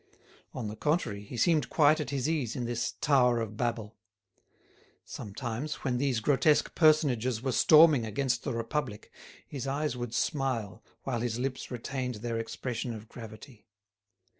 On the contrary, he seemed quite at his ease in this Tower of Babel. Sometimes, when these grotesque personages were storming against the Republic, his eyes would smile, while his lips retained their expression of gravity.